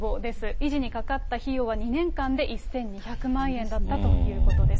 維持にかかった費用は２年間で１２００万円だったということです。